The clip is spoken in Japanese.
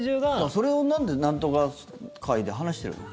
それをなんでなんとか会で話してるの？